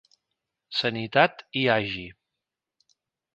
Sanitat hi hagi.